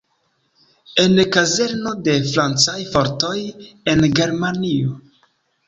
En kazerno de francaj fortoj, en Germanio.